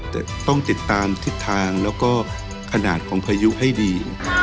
แต่ต้องติดตามทิศทางแล้วก็ขนาดของพายุให้ดี